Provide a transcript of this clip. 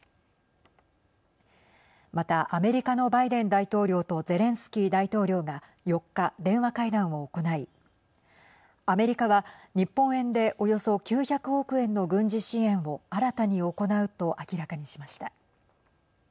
またアメリカのバイデン大統領とゼレンスキー大統領が４日電話会談を行いアメリカは、日本円でおよそ９００億円の軍事支援を新たに行うと明らかにしました。